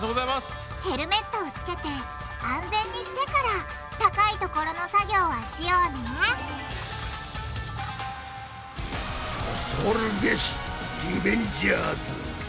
ヘルメットをつけて安全にしてから高い所の作業はしようね恐るべしリベンジャーズ。